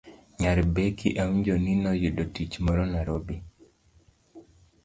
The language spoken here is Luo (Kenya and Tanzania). Nyar Becky awinjo ni noyudo tich moro Narobi